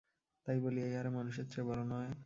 তাই বলিয়া ইহারা মানুষের চেয়ে বড় নয়।